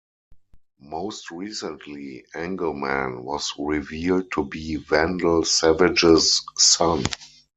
Most recently, Angle Man was revealed to be Vandal Savage's son.